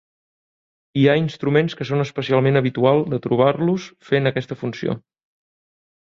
Hi ha instruments que són especialment habitual de trobar-los fent aquesta funció.